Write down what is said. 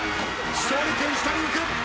勝利君下に行く。